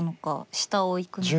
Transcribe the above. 下をいくのか。